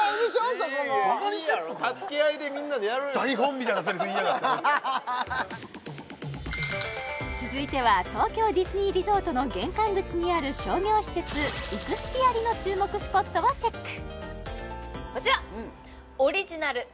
そこもいいやろ助け合いでみんなでやるんやから続いては東京ディズニーリゾートの玄関口にある商業施設イクスピアリの注目スポットをチェックこちら！